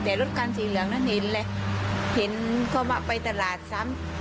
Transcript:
แต่รถคันสีเหลืองนั้นเห็นเลยเห็นเขาว่าไปตลาดซ้ำ